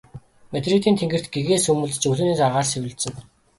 Мадридын тэнгэрт гэгээ сүүмэлзэж өглөөний агаар сэвэлзэнэ.